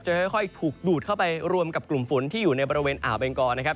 ค่อยถูกดูดเข้าไปรวมกับกลุ่มฝนที่อยู่ในบริเวณอ่าวเบงกอนะครับ